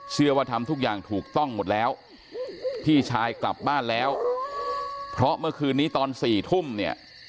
ทำทุกอย่างถูกต้องหมดแล้วพี่ชายกลับบ้านแล้วเพราะเมื่อคืนนี้ตอน๔ทุ่มเนี่ย